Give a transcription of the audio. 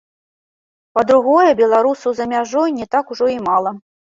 Па-другое, беларусаў за мяжой не так ужо і мала.